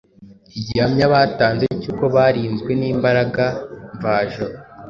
Igihamya batanze cy’uko barinzwe n’imbaraga mvajuru